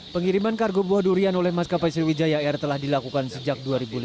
pengiriman kargo buah durian oleh maskapai sriwijaya air telah dilakukan sejak dua ribu lima belas